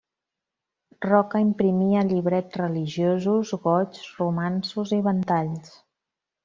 Roca imprimia llibrets religiosos, goigs, romanços i ventalls.